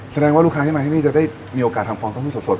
แสดงว่าลูกค้าที่มาที่นี่จะได้มีโอกาสทำฟองเต้าหู้สด